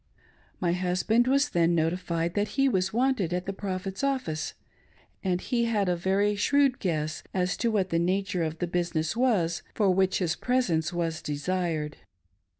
My husband was then notified that he was wanted at the Prophet's office, and he had a very shrewd guess^as to what the nature of the business was for which his presence was desired.